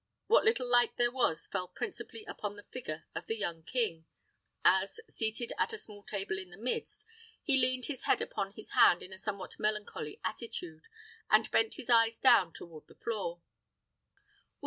What little light there was fell principally upon the figure of the young king, as, seated at a small table in the midst, he leaned his head upon his hand in a somewhat melancholy attitude, and bent his eyes down toward the floor.